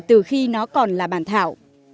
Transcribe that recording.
từ khi nó còn là bản thảo